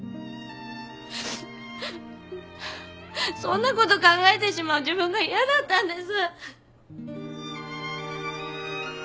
そんなこと考えてしまう自分がイヤだったんです！